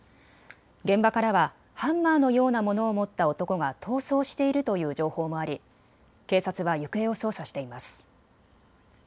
現場からはハンマーのようなものを持った男が逃走しているという情報もあり警察は行方を捜査しています。